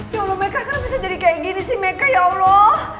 ya allah meka kenapa bisa jadi kayak gini sih meka ya allah